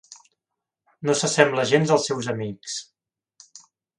No s'assembla gens als seus amics.